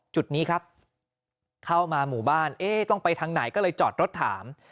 จุดนี้ครับเข้ามาหมู่บ้านเอ๊ะต้องไปทางไหนก็เลยจอดรถถาม